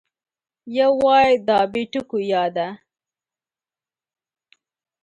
یو وای دا بې ټکو یا ده